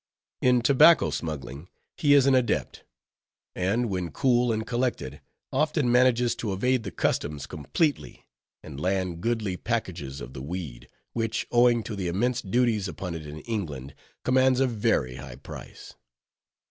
In tobacco smuggling he is an adept: and when cool and collected, often manages to evade the Customs completely, and land goodly packages of the weed, which owing to the immense duties upon it in England, commands a very high price.